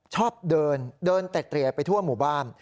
ชอบเดินเดินเต็ดไปทั่วหมู่บ้าน